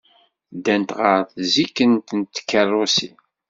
Ddant ɣer tzikkent n tkeṛṛusin.